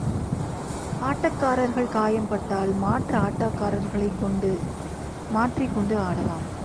ஆட்டக்காரர்கள் காயம் பட்டால், மாற்றாட்டக்காரர்களை மாற்றிக்கொண்டு ஆடலாம்.